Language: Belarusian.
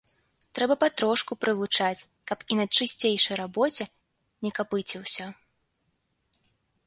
Трэба патрошку прывучаць, каб і на чысцейшай рабоце не капыціўся.